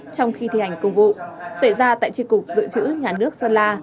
trong khi thi hành công vụ xảy ra tại tri cục dự trữ nhà nước sơn la